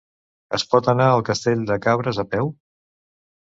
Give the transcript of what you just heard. Es pot anar a Castell de Cabres a peu?